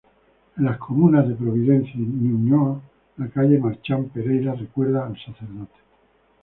En las comunas de Providencia y Ñuñoa, la calle Marchant Pereira recuerda al sacerdote.